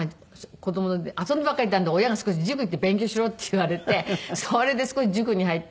遊んでばっかりいたんで親が「少し塾行って勉強しろ」って言われてそれで少し塾に入って。